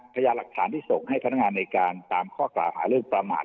พยายามหลักฐานที่ส่งให้พนักงานในการตามข้อกล่าวหาเรื่องประมาท